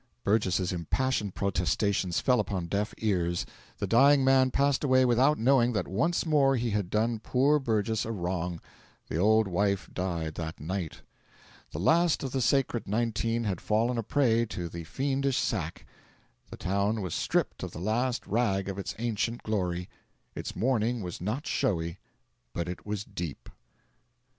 Burgess's impassioned protestations fell upon deaf ears; the dying man passed away without knowing that once more he had done poor Burgess a wrong. The old wife died that night. The last of the sacred Nineteen had fallen a prey to the fiendish sack; the town was stripped of the last rag of its ancient glory. Its mourning was not showy, but it was deep.